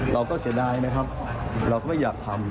เสียดายนะครับเราก็ไม่อยากทำ